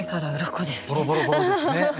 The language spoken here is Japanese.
ボロボロボロですね。